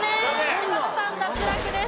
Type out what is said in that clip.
柴田さん脱落です。